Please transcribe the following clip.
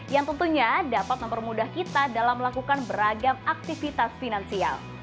yang tentunya dapat mempermudah kita dalam melakukan beragam aktivitas finansial